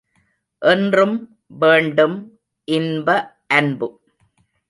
என்றும் வேண்டும் இன்ப அன்பு.